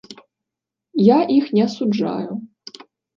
Я іх не асуджаю.